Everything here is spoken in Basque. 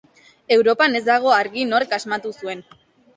Europan ez dago argi nork asmatu zuen.